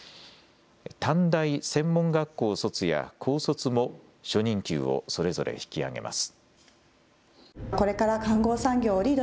短大・専門学校卒や高卒も初任給をそれぞれ引き上げます。